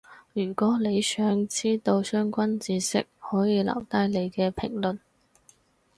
如果你想知到相關智識，可以留低你嘅評論